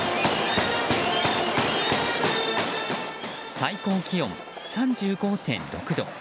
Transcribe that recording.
最高気温３５．６度。